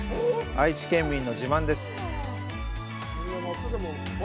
愛知県民の自慢です。